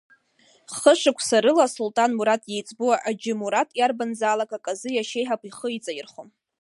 Хышықәса рыла Сулҭанмураҭ иеиҵбу Аџьымураҭ иарбанзаалак аказы иашьеиҳаб ихы иҵаирхом.